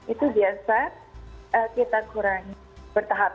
itu biasa kita kurangi bertahap